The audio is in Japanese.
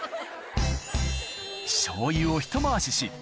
しょうゆをひと回しし